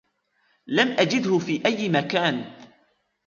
لم أجده في أي مكان.